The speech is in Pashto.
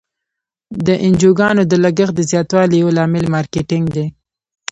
د انجوګانو د لګښت د زیاتوالي یو لامل مارکیټینګ دی.